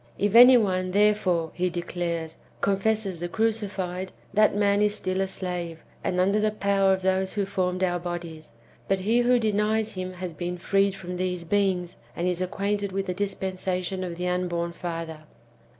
If any one, therefore, he de clares, confesses the crucified, that man is still a slave, and under the power of those who formed our bodies ; but he who denies him has been freed from these beings, and is acquainted with the dispensation of the unborn father.